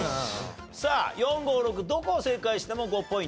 さあ４５６どこを正解しても５ポイント入ります。